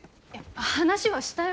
話はしたよ。